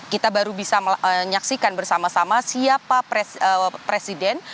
kita baru bisa menyaksikan bersama sama siapa presiden